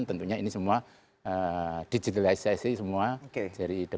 tentunya ini semua digitalisasi semua